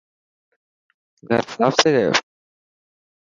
گهر صاف ٿي گيو.